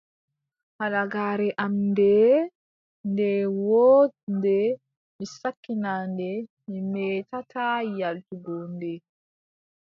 Halagaare am ndee, nde wooɗnde, mi sakkina nde, mi meetataa yaaltugo nde.